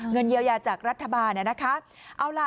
เงินเยียวยาจากรัฐบาลนะคะ